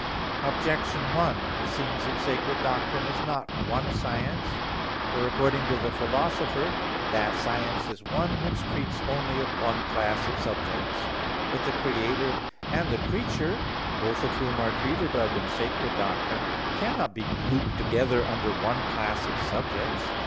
Objection 1: It seems that sacred doctrine is not one science; for according to the Philosopher (Poster. i) "that science is one which treats only of one class of subjects." But the creator and the creature, both of whom are treated of in sacred doctrine, cannot be grouped together under one class of subjects.